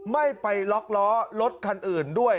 ไม่ไปล็อกล้อรถคันอื่นด้วย